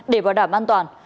để bảo đảm an toàn